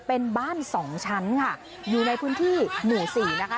เป็นบ้านสองชั้นค่ะอยู่ในพื้นที่หมู่สี่นะคะ